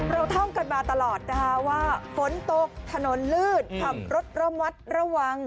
เท่ากันมาตลอดนะคะว่าฝนตกถนนลื่นขับรถระมัดระวัง